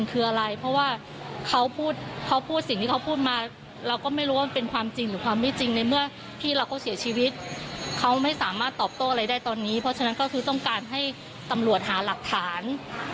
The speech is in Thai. เพราะฉะนั้นเขาคือต้องการให้ตำรวจหาหลักฐาน